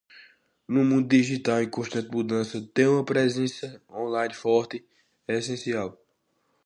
Num mundo digital em constante mudança, ter uma presença online forte é essencial.